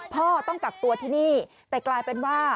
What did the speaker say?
ต้องกักตัวที่นี่แต่กลายเป็นว่า